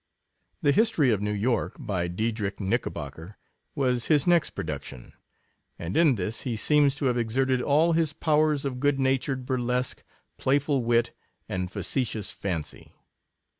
The History of Neiv York, by Deidrich Knickerbocker, was his next production ; and in this he seems to have exerted all his pow ers of good natured burlesque, playful wit, and facetious fancy.